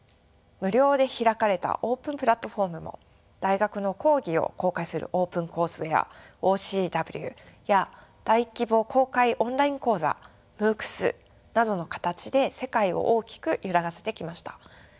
無料で開かれたオープンプラットフォームも大学の講義を公開するオープンコースウェアＯＣＷや大規模公開オンライン講座ＭＯＯＣｓなどの形で世界を大きく揺らがせてきました。